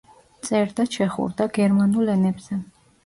წერდა ჩეხურ და გერმანულ ენებზე.